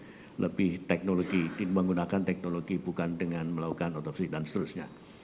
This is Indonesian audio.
yang lebih teknologi menggunakan teknologi bukan dengan melakukan otopsi dan seterusnya